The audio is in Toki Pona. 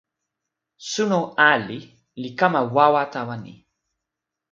suno ali li kama wawa tawa ni.